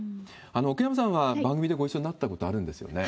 奥山さんは、番組でご一緒になったことあるんですよね？